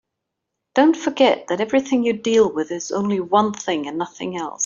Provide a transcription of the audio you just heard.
Don't forget that everything you deal with is only one thing and nothing else.